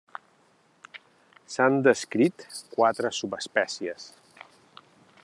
S'han descrit quatre subespècies.